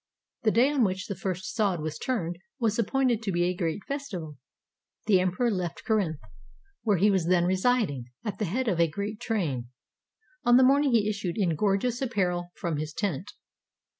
The day on which the first sod was turned was ap pointed to be a great festival. The emperor left Corinth, where he was then residing, at the head of a great train. On the morning he issued in gorgeous apparel from his tent.